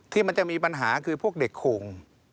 ที่มันจะมีปัญหาคือพวกเด็กโข่ง